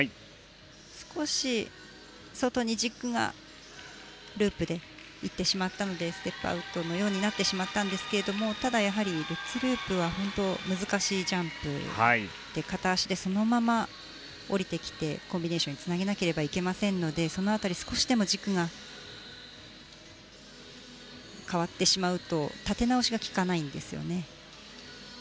少し外に軸がループで行ってしまったのでステップアウトのようになってしまったんですがただやはり、ルッツ、ループは本当に難しいジャンプで片足でそのまま降りてきてコンビネーションにつなげなければいけませんのでその辺り少しでも軸が変わってしまうと立て直しが利かないんですよね。